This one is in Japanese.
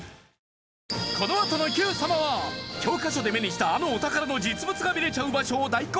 このあとの『Ｑ さま！！』は教科書で目にしたあのお宝の実物が見れちゃう場所を大公開